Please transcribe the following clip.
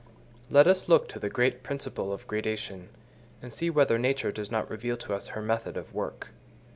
Let us look to the great principle of gradation, and see whether Nature does not reveal to us her method of work.